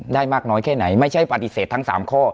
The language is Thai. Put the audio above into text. ได้มากน้อยแค่ไหนไม่ใช่ปฏิเสธทั้ง๓ข้อ